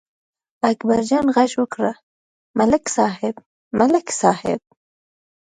اکبرجان غږ وکړ: ملک صاحب، ملک صاحب!